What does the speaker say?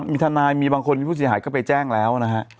มีทางทางมีคนถูกสี่หายก็ไปแจ้งแล้วนะฮะ